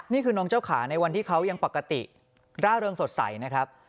นี่คือน้องเจ้าขาในวันที่เขายังปกติร่าเริงสดใสนะครับ